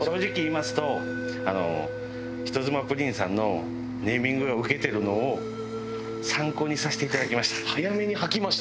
人妻プリンさんのネーミングがウケてるのを参考にさせていただきました。